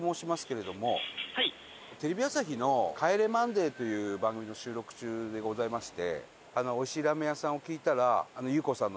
テレビ朝日の『帰れマンデー』という番組の収録中でございまして。